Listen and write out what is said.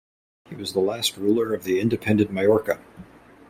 He was the last ruler of independent Majorca.